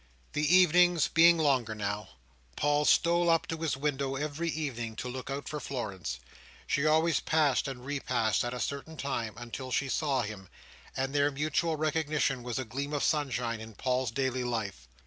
The evenings being longer now, Paul stole up to his window every evening to look out for Florence. She always passed and repassed at a certain time, until she saw him; and their mutual recognition was a gleam of sunshine in Paul's daily life.